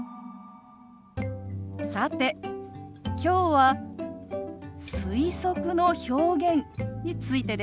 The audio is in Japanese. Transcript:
さてきょうは推測の表現についてです。